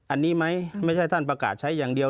อันนี้ไหมไม่ใช่ท่านประกาศใช้อย่างเดียว